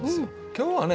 今日はね